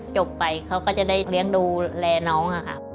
จบไปเขาก็จะได้เลี้ยงดูแลน้องค่ะ